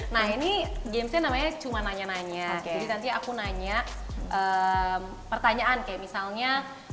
nah ini gamesnya namanya cuma nanya nanya jadi nanti aku nanya pertanyaan kayak misalnya